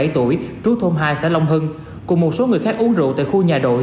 bảy mươi tuổi trú thôn hai xã long hưng cùng một số người khác uống rượu tại khu nhà đội